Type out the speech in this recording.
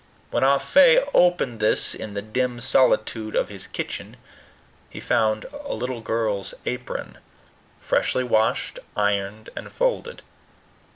When Ah Fe opened this in the dim solitude of his kitchen, he found a little girl's apron, freshly washed, ironed, and folded.